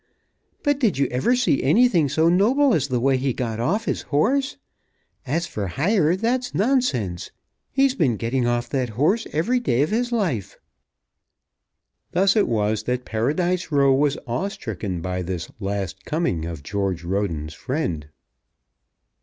"But did you ever see anything so noble as the way he got off his horse? As for hire, that's nonsense. He's been getting off that horse every day of his life." Thus it was that Paradise Row was awe stricken by this last coming of George Roden's friend.